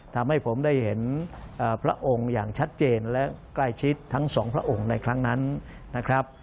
ทำให้ผมได้เห็นพระองค์อย่างชัดเจนและใกล้ชิดทั้งสองพระองค์ในครั้งนั้นนะครับ